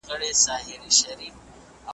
زړه دي خپل خدای نګهبان دی توکل کوه تېرېږه .